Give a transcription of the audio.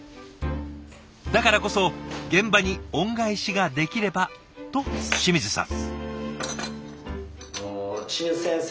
だからこそ「現場に恩返しができれば」と清水さん。